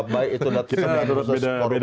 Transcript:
baik itu ada tersendiri